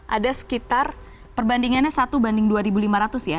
ada sekitar perbandingannya satu banding dua lima ratus ya